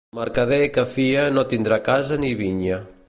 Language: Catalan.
Mercader que fia no tindrà casa ni vinya.